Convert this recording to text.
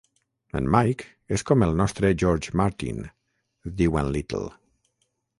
"En Mike és com el nostre George Martin", diu en Little.